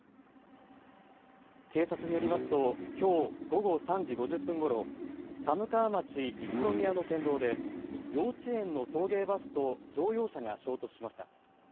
警察によりますときょう午後３時５０分ごろ寒川町一之宮の県道で幼稚園の送迎バスと乗用車が衝突しました。